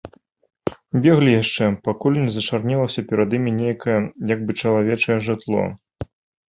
Беглі яшчэ, пакуль не зачарнелася перад імі нейкае як бы чалавечае жытло.